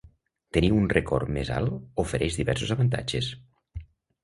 Tenir un record més alt ofereix diversos avantatges.